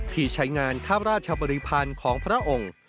ที่ใช้งานข้าบราชบริพันธ์ของพระองค์